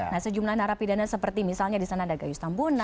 nah sejumlah narapidana seperti misalnya disana ada gayus tambunan